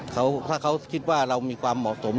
ถ้าเขาคิดว่าเรามีความเหมาะสม